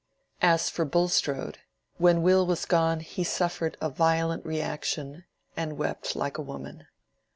As for Bulstrode—when Will was gone he suffered a violent reaction, and wept like a woman.